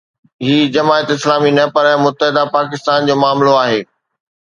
هي جماعت اسلامي نه پر متحده پاڪستان جو معاملو آهي.